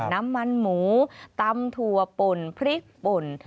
น้ำมันหมูตำถั่วป่นพริกป่น